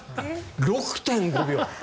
６．５秒。